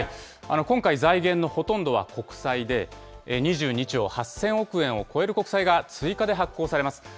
今回、財源のほとんどは国債で、２２兆８０００億円を超える国債が追加で発行されます。